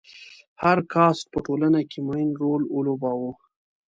هر کاسټ په ټولنه کې معین رول ولوباوه.